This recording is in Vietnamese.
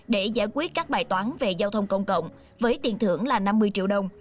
để giải quyết các bài toán về giao thông công cộng với tiền thưởng là năm mươi triệu đồng